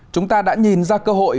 chúng ta đã nhìn ra cơ hội